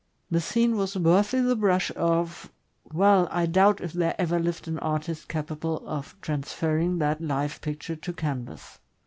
The scene was worthy the brush of — well, I doubt if there ever lived an artist capable of transferring that life picture to canvas.